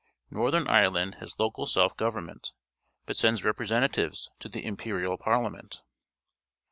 Northern Ire land has local self government, but sends representatives to the Imperial Parliament.